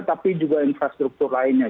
tapi juga infrastruktur lainnya